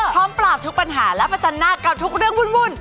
พร้อมปราบทุกปัญหาและประจันหน้ากับทุกเรื่องวุ่น